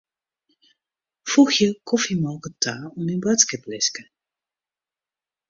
Foegje kofjemolke ta oan myn boadskiplistke.